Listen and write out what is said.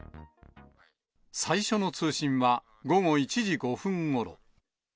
最初の通信は、午後１時５分ごろ。